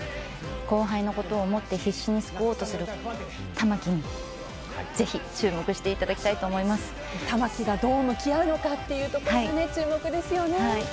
後輩のことを思って必死に救おうとするたまきにぜひ注目していただきたいとたまきがどう向き合うのか注目ですよね。